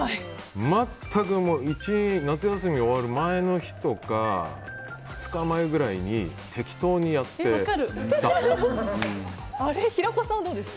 全く、夏休みが終わる前の人か２日前くらいに適当にやって出す。